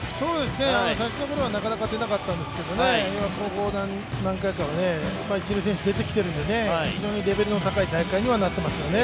最初のころはなかなか出なかったんですけど、今ここ何回かは、一流選手が出てきていますので、非常にレベルの高い大会になっていますよね。